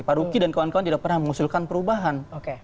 pak ruki dan kawan kawan tidak pernah mengusulkan perubahan